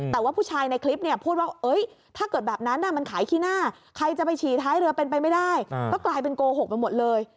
แต่ว่าผู้ชายในคลิปเนี่ยพูดว่าถ้าเกิดแบบนั้นมันขายขี้หน้าใครจะไปฉี่ท้ายเรือเป็นไปไม่ได้ก็กลายเป็นโกหกไปหมดเลย